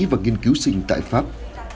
và nghiên cứu sinh tại pháp